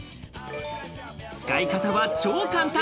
使い方は超簡単。